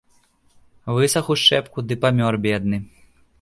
Высах у шчэпку ды памёр бедны.